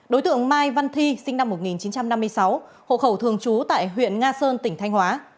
đối tượng mai văn thi sinh năm một nghìn chín trăm năm mươi sáu hộ khẩu thường trú tại huyện nga sơn tỉnh thanh hóa